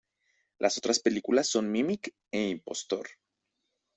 Las otras películas son "Mimic" e "Impostor".